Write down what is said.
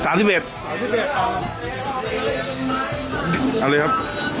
สาวชิ้นแดกเฟ็ดสวัสดีครับ